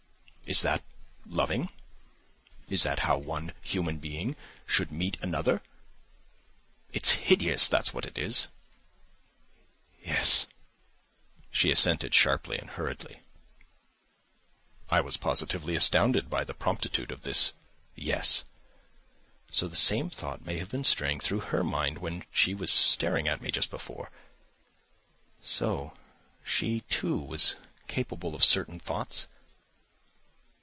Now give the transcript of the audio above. Is that loving? Is that how one human being should meet another? It's hideous, that's what it is!" "Yes!" she assented sharply and hurriedly. I was positively astounded by the promptitude of this "Yes." So the same thought may have been straying through her mind when she was staring at me just before. So she, too, was capable of certain thoughts?